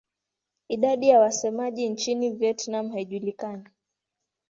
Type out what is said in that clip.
Idadi ya wasemaji nchini Vietnam haijulikani.